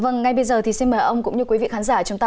vâng ngay bây giờ thì xin mời ông cũng như quý vị khán giả chúng ta